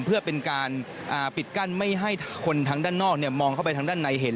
เพื่อเป็นการปิดกั้นไม่ให้คนทางด้านนอกมองเข้าไปทางด้านในเห็น